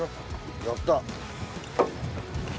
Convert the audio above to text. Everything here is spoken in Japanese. やった。